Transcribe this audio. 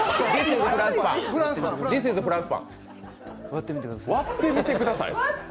割ってみてください。